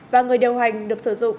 và người điều hành được sử dụng